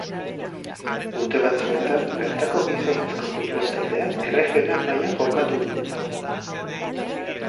Urte batzuetan bertako gizonezko futbol taldeak erregional mailan jokatu du.